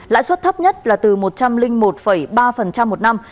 lãi suất thấp nhất là từ một trăm linh một ba một năm